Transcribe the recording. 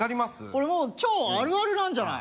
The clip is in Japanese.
これもう超あるあるなんじゃない？